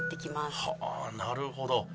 はあなるほど。